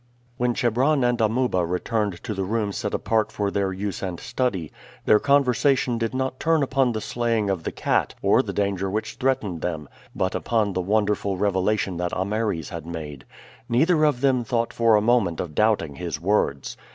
When Chebron and Amuba returned to the room set apart for their use and study their conversation did not turn upon the slaying of the cat or the danger which threatened them, but upon the wonderful revelation that Ameres had made. Neither of them thought for a moment of doubting his words.